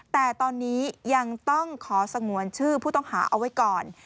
แต่ตอนนี้ยังต้องขอสงวนชื่อผู้ต้องหาเอาไว้ก่อน